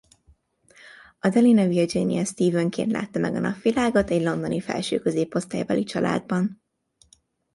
Adelina Virginia Stephenként látta meg a napvilágot egy londoni felső-középosztálybeli családban.